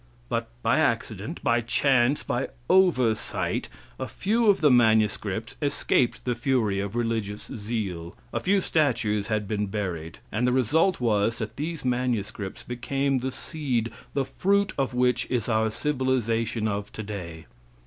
But by accident, by chance, by oversight, a few of the manuscripts escaped the fury of religious zeal; a few statues had been buried; and the result was, that these manuscripts became the seed, the fruit of which is our civilization of today.